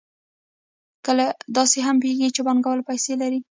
کله داسې هم پېښېږي چې پانګوال پیسې لري